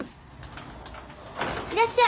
いらっしゃい。